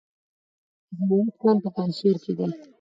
د زمرد کان په پنجشیر کې دی